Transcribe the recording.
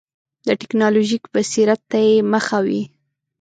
د ټکنالوژیک بصیرت ته یې مخه وي.